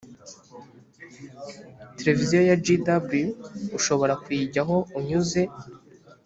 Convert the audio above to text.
tereviziyo ya jw ushobora kuyijyaho unyuze